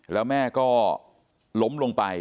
แล้วแม่ก็ล้มลงไป